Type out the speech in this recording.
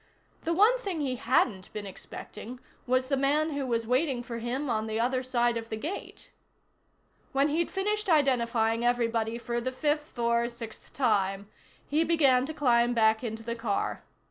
The one thing he hadn't been expecting was the man who was waiting for him on the other side of the gate. When he'd finished identifying everybody for the fifth or sixth time, he began to climb back into the car.